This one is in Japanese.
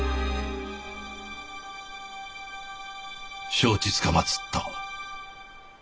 承知つかまつった。